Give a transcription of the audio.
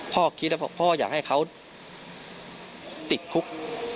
คิดแล้วพ่ออยากให้เขาติดคุก